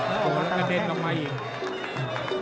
โอ้โหแล้วกระเด็นออกมาอีก